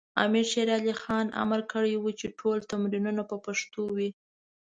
امیر شیر علی خان امر کړی و چې ټول تمرینونه په پښتو وي.